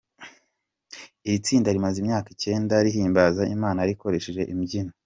Iri tsinda rimaze imyaka icyenda rihimbaza Imana rikoresheje imbyino.